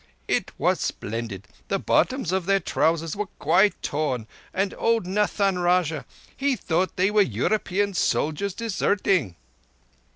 It was splendid. The bottoms of their trousers were quite torn, and old Nahan Rajah, he thought they were European soldiers deserting."